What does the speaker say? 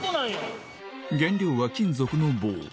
原料は金属の棒